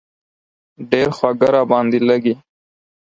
ډېر خواږه را باندې لږي.